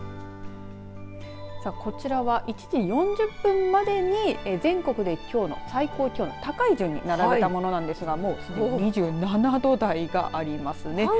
こちらは１時４０分までに全国で、きょうの最高気温の高い順に並べたものなんですがもう、すでに２７度台がありますね。